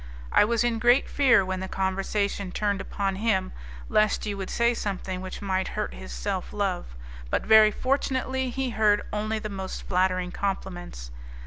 I was in great fear, when the conversation turned upon him, lest you would say something which might hurt his self love, but, very fortunately, he heard only the most flattering compliments.